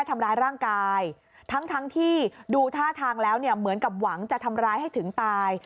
ทำร้ายร่างกายทั้งที่ดูท่าทางแล้วเนี่ยเหมือนกับหวังจะทำร้ายให้ถึงตาย